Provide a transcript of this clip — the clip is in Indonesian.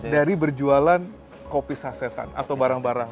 dari berjualan kopi sasetan atau barang barang